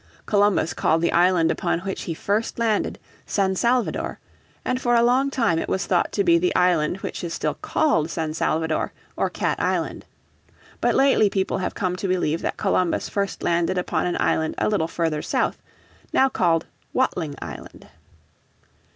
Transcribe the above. Columbus called the island upon which he first landed San Salvador, and for a long time it was thought to be the island which is still called San Salvador or Cat Island. But lately people have come to believe that Columbus first landed upon an island a little further south, now called, Watling Island.